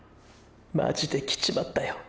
マジで来ちまったよ